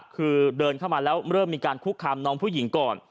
คือเดินเข้ามาแล้วเริ่มมีการคุกคามน้องผู้หญิงก่อน